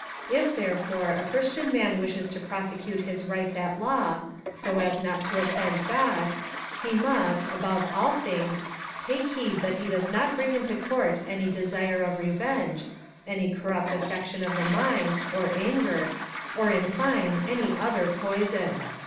If, therefore, a Christian man wishes to prosecute his rights at law, so as not to offend God, he jnust, above all things, take heed that he does not bring into court any desire of revenge, any corrupt affection of the mind, or anger, or, in fine, any other poison.